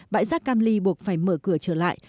bãi rác cam ly buộc phải mở cửa trở lại